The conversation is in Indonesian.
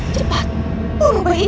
cepat bunuh beli itu